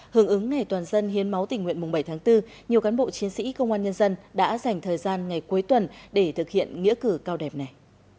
hướng ứng ngày toàn dân hiến máu tình nguyện mùng bảy tháng bốn nhiều cán bộ chiến sĩ công an nhân dân đã dành thời gian ngày cuối tuần để thực hiện nghĩa cử cao đẹp này